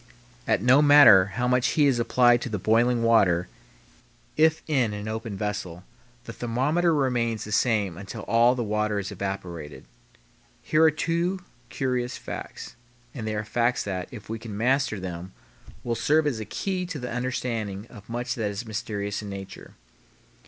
And no matter how much heat is applied to the boiling water, if in an open vessel, the thermometer remains the same until all the water is evaporated. Here are two curious facts, and they are facts that, if we can master them, will serve as a key to the understanding of much that is mysterious in nature.